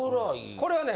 これはね。